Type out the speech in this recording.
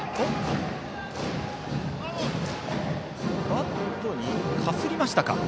バットにかすりましたか。